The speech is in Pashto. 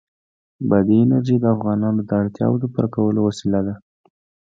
بادي انرژي د افغانانو د اړتیاوو د پوره کولو وسیله ده.